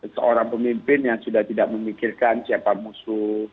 seorang pemimpin yang sudah tidak memikirkan siapa musuh